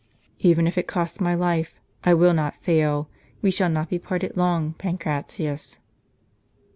" Even if it cost my life, I will not fail. We shall not be parted long, Pancratius."